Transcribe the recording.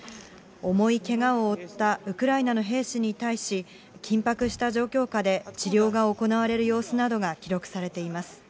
重いけがを負ったウクライナの兵士に対し、緊迫した状況下で治療が行われる様子などが記録されています。